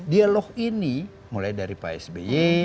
dialog ini mulai dari pak sby